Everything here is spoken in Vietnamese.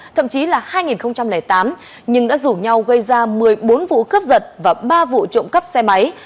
thậm chí là hai nghìn tám nhưng đã rủ nhau gây ra một mươi bốn vụ cướp giật và ba vụ trộm cắp xe máy